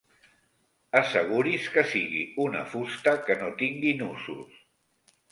Asseguri's que sigui una fusta que no tingui nusos.